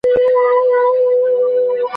توپير په غبرګون کې دی.